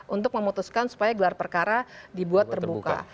untuk memutuskan supaya gelar perkara dibuat terbuka